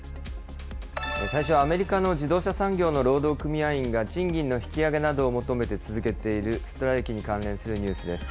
最初はアメリカの自動車産業の労働組合員が賃金の引き上げなどを求めて続けているストライキに関連するニュースです。